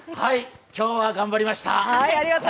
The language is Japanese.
今日は頑張りました。